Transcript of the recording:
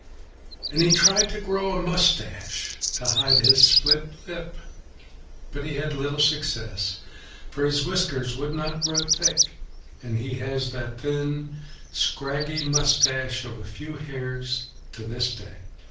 And he tried to grow a moustache to hide his split lip; but he had little success, for his whiskers would not grow thick, and he has the thin scraggy moustache of a few hairs to this day.